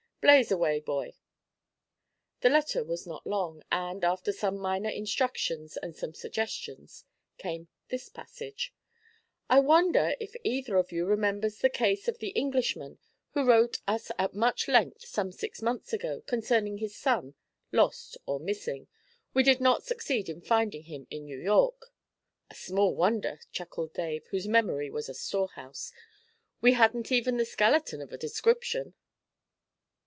'Blaze away, boy.' The letter was not long, and, after some minor instructions and some suggestions, came this passage: '"I wonder if either of you remembers the case of the Englishman who wrote us at much length some six months ago concerning his son, 'lost or missing' we did not succeed in finding him in New York "' 'And small wonder,' chuckled Dave, whose memory was a storehouse. 'We hadn't even the skeleton of a description.'